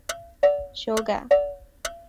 不利于修改